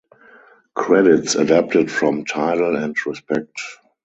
Credits adapted from Tidal and Respect.